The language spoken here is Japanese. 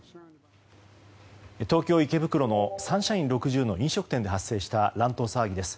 東京・池袋のサンシャイン６０の飲食店で発生した乱闘騒ぎです。